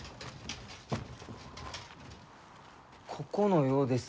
ここのようです。